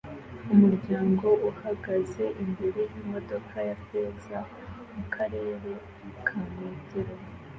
Umuryango uhagaze imbere yimodoka ya feza mukarere ka metero